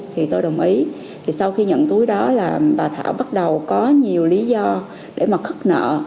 thì tôi đồng ý sau khi nhận túi đó bà thảo bắt đầu có nhiều lý do để khắc nợ